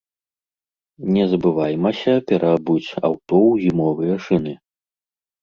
Не забываймася пераабуць аўто ў зімовыя шыны.